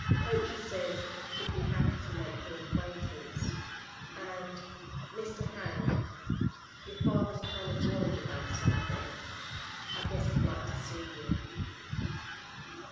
Poacher says he'd be happy to make your acquaintance and, Mr. Hank, your father's kind of worried about somethin'. I guess he'd like to see you."